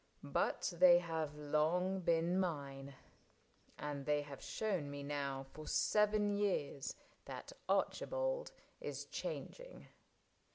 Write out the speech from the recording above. But they have long been mine. And they have shown me now for seven years That Archibald is changing.